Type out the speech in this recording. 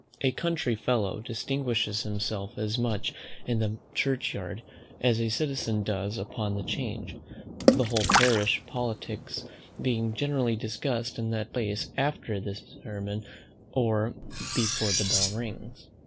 A country fellow distinguishes himself as much in the Church yard, as a citizen does upon the Change, the whole parish politicks being generally discussed in that place either after sermon or before the bell rings.